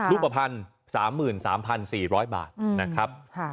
รูปภัณฑ์๓๓๔๐๐บาทนะครับ